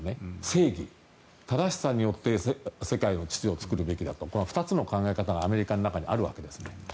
正義、正しさによって世界の秩序を作るべきだとこの２つの考え方がアメリカの中にあるわけです。